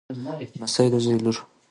لمسۍ د زوی لور.